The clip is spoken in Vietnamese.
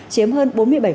chiếm hơn bốn mươi bảy